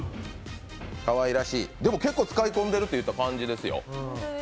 かわいらしい、結構使い込んでいるといった感じですよ。